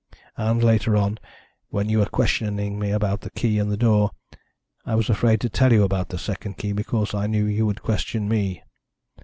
And later on, when you were questioning me about the key in the door, I was afraid to tell you about the second key, because I knew you would question me.